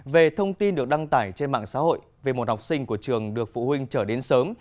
về thông tin được đăng tải trên mạng xã hội về một học sinh của trường được phụ huynh trở đến sớm